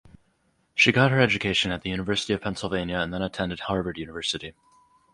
She got her education at the University of Pennsylvania and then attended Harvard University.